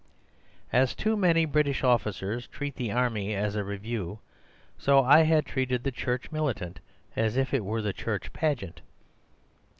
As too many British officers treat the army as a review, so I had treated the Church Militant as if it were the Church Pageant.